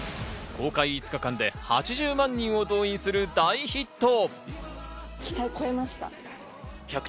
公開５日間で８０万人を動員する大ヒット。